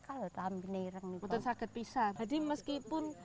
kemudian ketika kita nellahkan